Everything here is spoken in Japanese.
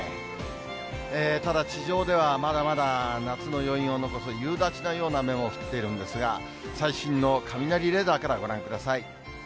ただ地上では、まだまだ夏の余韻を残す夕立のような雨も降っているんですが、最新の雷レーダーからご覧ください。